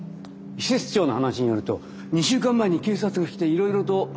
施設長の話によると２週間前に警察が来ていろいろと阿部のこと聞いてったそうだ。